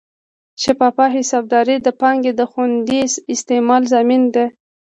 شفافه حسابداري د پانګې د خوندي استعمال ضامن ده.